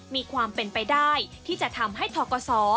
มีความเป็นไปได้ที่จะทำให้ทกศ